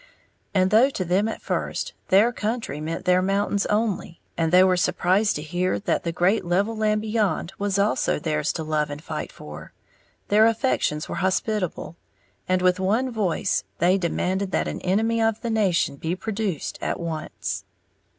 And though to them at first their country meant their mountains only, and they were surprised to hear that the great "level land" beyond was also theirs to love and fight for, their affections were hospitable, and with one voice they demanded that an enemy of the nation be produced at once.